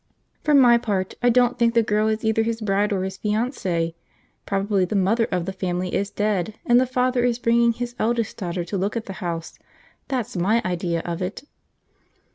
"For my part, I don't think the girl is either his bride or his fiancee. Probably the mother of the family is dead, and the father is bringing his eldest daughter to look at the house: that's my idea of it."